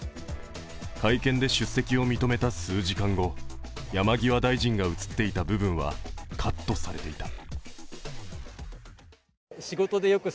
会見で出席を認めた数時間後、山際大臣が写っていた部分はカットされていた。